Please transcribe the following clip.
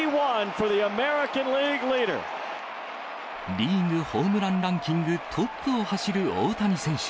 リーグホームランランキングトップを走る大谷選手。